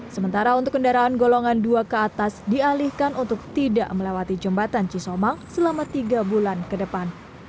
sementara untuk kendaraan golongan dua ke atas dialihkan untuk tidak melewati jembatan cisomang selama tiga bulan ke depan